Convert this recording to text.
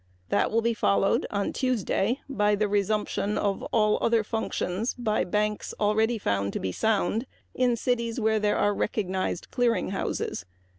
This will be followed on Tuesday by the resumption of all their functions by banks already found to be sound in cities where there are recognized clearing houses.